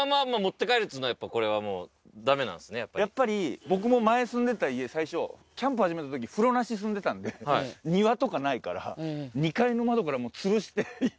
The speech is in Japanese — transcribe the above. やっぱり僕も前住んでた家最初キャンプ始めた時風呂なしに住んでたんで庭とかないからえっ！